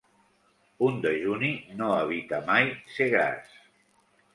Un dejuni no evita mai ser gras.